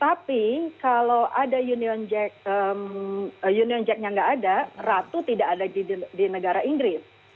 tapi kalau ada union jacknya nggak ada ratu tidak ada di negara inggris